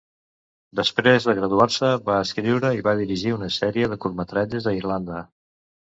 Després de graduar-se, va escriure i va dirigir una sèrie de curtmetratges a Irlanda.